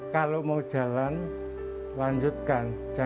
kalau mau jalan lanjutkan